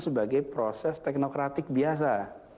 sebagai proses teknokratik biasa